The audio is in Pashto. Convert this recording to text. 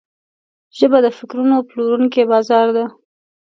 ژبه د فکرونو پلورونکی بازار ده